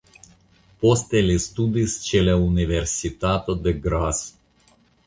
Poste li studis ĉe la Universitato de Graz.